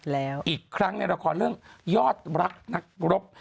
แล้วอีกครั้งในละครเรื่องยอดรักนักรบ